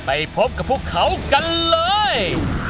ไปพบกับพวกเขากันเลย